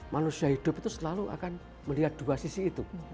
manusia hidup itu selalu akan melihat dua sisi itu